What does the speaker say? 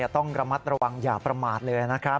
ต้องระมัดระวังอย่าประมาทเลยนะครับ